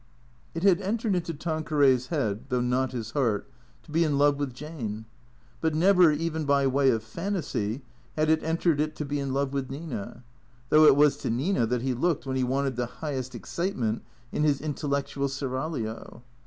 It had entered into Tanqueray 's head (though not his heart) to be in love with Jane. But never, even by way of fantasy, had it entered it to be in love with Nina; though it was to Nina that he looked when he wanted the highest excitement in his intellectual seraglio.